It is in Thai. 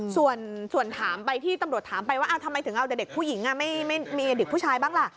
ส่วนถามไปที่ตำรวจถามไปว่าทำไมถึงเอาแต่เด็กผู้หญิงไม่มีเด็กผู้ชายบ้างล่ะ